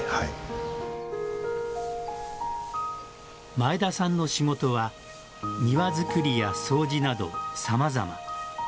前田さんの仕事は庭づくりや掃除など、さまざま。